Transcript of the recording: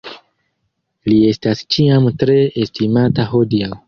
Li estas ĉiam tre estimata hodiaŭ.